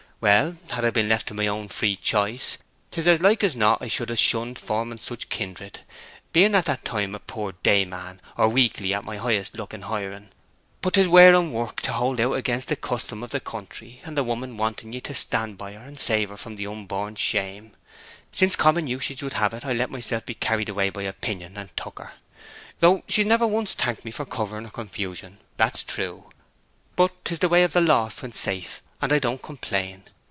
'Well, had I been left to my own free choice, 'tis as like as not I should ha' shunned forming such kindred, being at that time a poor day man, or weekly, at my highest luck in hiring. But 'tis wearing work to hold out against the custom of the country, and the woman wanting ye to stand by her and save her from unborn shame; so, since common usage would have it, I let myself be carried away by opinion, and took her. Though she's never once thanked me for covering her confusion, that's true! But, 'tis the way of the lost when safe, and I don't complain.